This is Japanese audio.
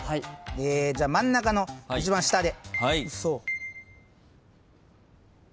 じゃあ真ん中の一番下で。